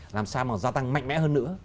làm sao mà gia tăng mạnh mẽ hơn nữa